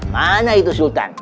mana itu sultan